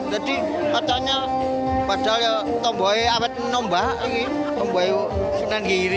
jadi katanya padahal ya tombolnya abad menombak tombolnya senang giri